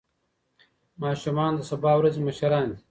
ماشومان د سبا ورځې مشران دي.